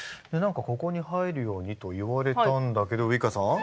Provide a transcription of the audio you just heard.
ここに入るようにと言われたんだけどウイカさん。